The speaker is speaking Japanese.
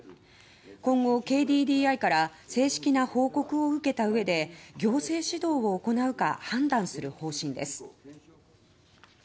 今後、ＫＤＤＩから正式な報告を受けた上で行政指導を行うか判断する方針です。